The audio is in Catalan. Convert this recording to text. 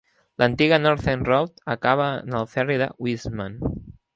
L'antiga Northern Road acaba en el Ferri de Wiseman.